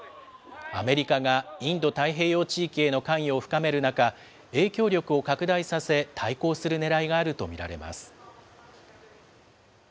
アメリカがインド太平洋地域への関与を深める中、影響力を拡大させ、対抗するねらいがあると見られます。